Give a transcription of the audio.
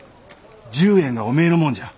１０円がおめえのもんじゃ。